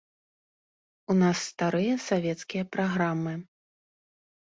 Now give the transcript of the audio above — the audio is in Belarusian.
У нас старыя савецкія праграмы.